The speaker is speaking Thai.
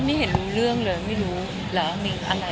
ไม่เห็นรู้เรื่องเลยไม่รู้เหรอมีอะไร